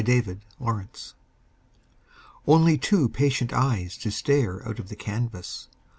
FADED PICTURES Only two patient eyes to stare Out of the canvas.